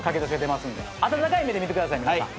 温かい目で見てください皆さん。